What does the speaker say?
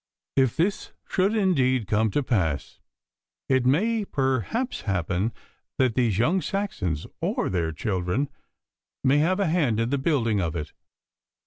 If this should indeed come to pass, it may perhaps happen that these young Saxons or their children may have a hand in the building of it.